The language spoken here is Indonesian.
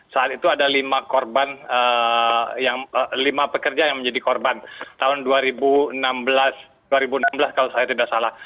saat itu ada lima pekerja yang menjadi korban tahun dua ribu enam belas kalau saya tidak salah